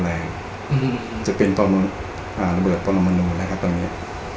อืมจะเป็นตรงอ่าระเบิดปรมานูนะครับตรงเนี้ย